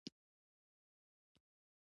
د غوسې غږ سړی نارامه کوي